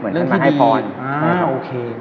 เหมือนเหมือนเมื่อกี้ดี